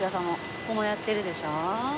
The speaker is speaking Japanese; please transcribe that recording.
ここもやってるでしょ。